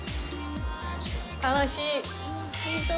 楽しい。